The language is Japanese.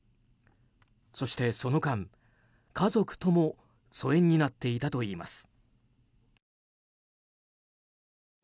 そしてその間、家族とも疎遠になっていたといいます。